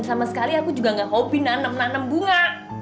sama sekali aku juga gak hobi nanam nanem bunga